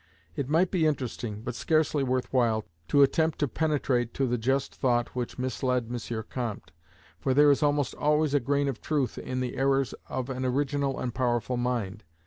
It might be interesting, but scarcely worth while, to attempt to penetrate to the just thought which misled M. Comte, for there is almost always a grain of truth in the errors of an original and powerful mind.